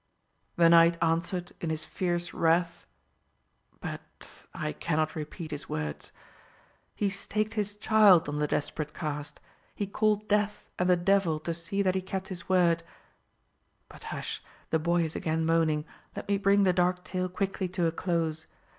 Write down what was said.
The knight answered in his fierce wrath but I cannot repeat his words. He staked his child on the desperate cast; he called Death and the Devil to see that he kept his word: but hush! the boy is again moaning. Let me bring the dark tale quickly to a close.